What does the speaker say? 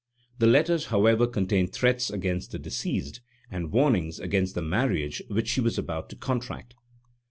The letters, however, contained threats against the deceased, and warnings against the marriage which she was about to contract.